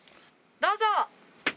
どうぞ！